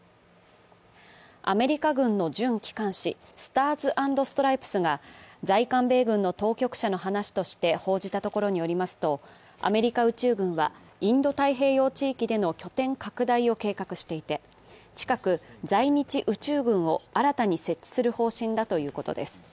アメリカ軍の準機関紙、スターズ・アンド・ストライプスが在韓米軍の当局者の話として報じたところによりますとアメリカ宇宙軍はインド太平洋地域での拠点拡大を計画していて、近く、在日宇宙軍を新たに設置する方針だということです。